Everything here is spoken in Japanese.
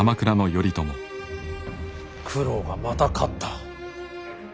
九郎がまた勝った。